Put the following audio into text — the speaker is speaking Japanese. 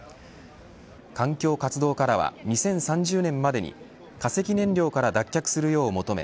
環境活動家らは２０３０年までに化石燃料から脱却するよう求め